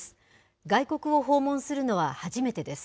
外国を訪問するのは初めてです。